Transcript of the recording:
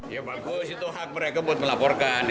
ya bagus itu hak mereka buat melaporkan